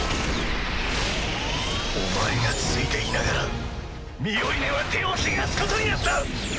お前が付いていながらミオリネは手を汚すことになった！